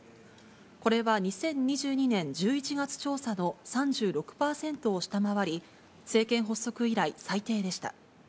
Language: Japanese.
これは２０２２年１１月調査の３６％を下回り、政権発足以来最低でした。